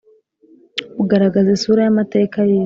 ugaragaza isura yamateka yisi